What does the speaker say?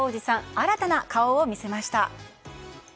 新たな顔を見せました。